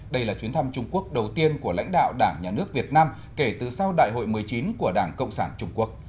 đây là chuyến thăm trung quốc đầu tiên của lãnh đạo đảng nhà nước việt nam kể từ sau đại hội một mươi chín của đảng cộng sản trung quốc